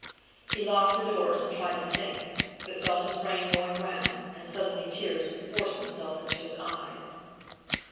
He locked the doors, and tried to think, but felt his brain going round; and suddenly tears forced themselves into his eyes.